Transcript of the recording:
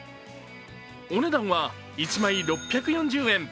お値段は１枚６４０円。